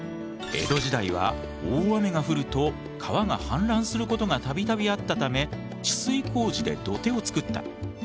江戸時代は大雨が降ると川が氾濫することが度々あったため治水工事で土手をつくった。